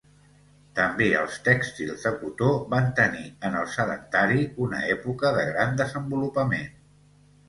També els tèxtils de cotó van tenir en el Sedentari una època de gran desenvolupament.